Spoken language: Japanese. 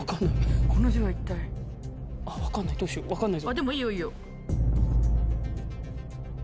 でもいいよいいよ。